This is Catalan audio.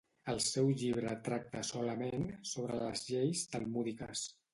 El seu llibre tracta solament sobre les lleis talmúdiques.